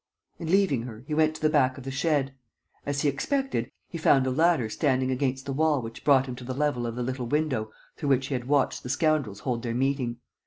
And, leaving her, he went to the back of the shed. As he expected, he found a ladder standing against the wall which brought him to the level of the little window through which he had watched the scoundrels hold their meeting.